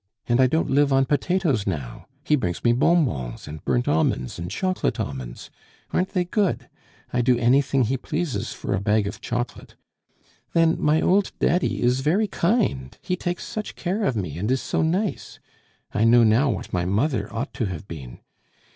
And I don't live on potatoes now. He brings me bonbons and burnt almonds, and chocolate almonds. Aren't they good? I do anything he pleases for a bag of chocolate. Then my old Daddy is very kind; he takes such care of me, and is so nice; I know now what my mother ought to have been.